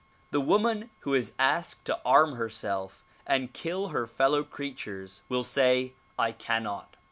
The woman who is asked to arm herself and kill her fellow creatures will say "I can not."